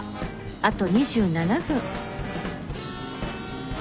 あと２７分。